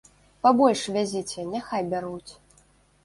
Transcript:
Пабольш вязіце, няхай бяруць.